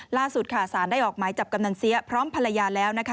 ล่าสุดค่ะสารได้ออกหมายจับกำนันเสียพร้อมภรรยาแล้วนะคะ